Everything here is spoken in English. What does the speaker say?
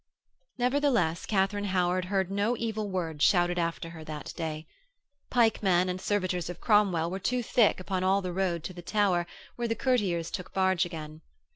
Nevertheless, Katharine Howard heard no evil words shouted after her that day. Pikemen and servitors of Cromwell were too thick upon all the road to the Tower, where the courtiers took barge again.